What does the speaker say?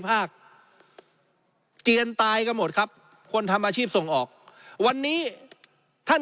ภาคเจียนตายกันหมดครับคนทำอาชีพส่งออกวันนี้ท่าน